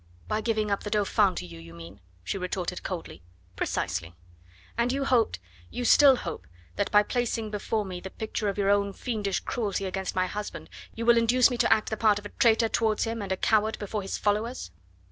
"By giving up the Dauphin to you, you mean?" she retorted coldly. "Precisely." "And you hoped you still hope that by placing before me the picture of your own fiendish cruelty against my husband you will induce me to act the part of a traitor towards him and a coward before his followers?"